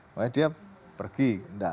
makanya dia pergi